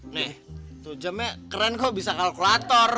nih tuh jamnya keren kok bisa kalkulator